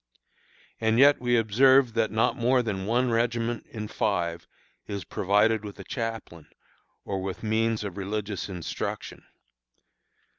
And yet we observe that not more than one regiment in five is provided with a chaplain, or with means of religious instruction.